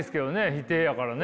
否定やからね。